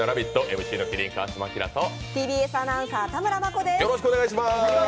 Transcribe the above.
ＭＣの麒麟・川島明とＴＢＳアナウンサーの田村真子です